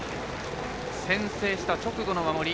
先制した直後の守り